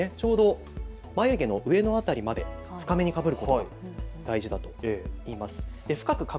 ちょうど眉毛の上の辺りまで深めにかぶることが大事だといいます。